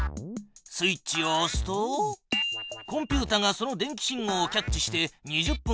スイッチをおすとコンピュータがその電気信号をキャッチして２０分を計り始める。